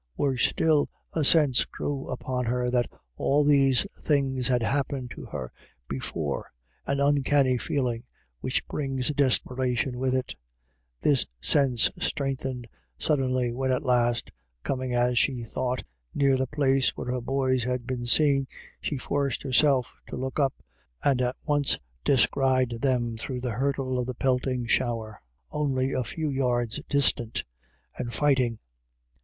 Worse still, a sense grew upon her that all these things had happened to her before, an uncanny feeling, which brings desperation with it This sense strengthened suddenly when at last, coming, as she thought, near the place where her boys had been seen, she forced herself to look up, and at once descried them through the hurtle of the pelt ing shower, only a few yards distant — and fighting.